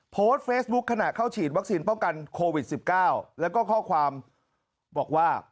โพสต์เฟซบุ๊คขณะเข้าฉีดวัคซีนป้องกันโควิด๑๙แล้วก็ข้อความบอกว่า